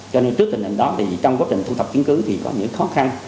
cho nên trước tình hình đó thì trong quá trình thu thập chứng cứ thì có những khó khăn